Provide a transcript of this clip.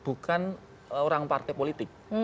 bukan orang partai politik